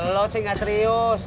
lo sih ga serius